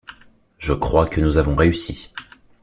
Je crois que nous avons réussi.